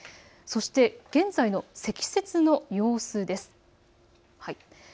そして現在の積雪の様子です。